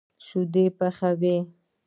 شيدې پخوي.